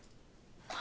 何？